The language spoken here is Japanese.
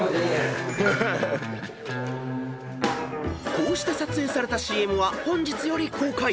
［こうして撮影されたＣＭは本日より公開］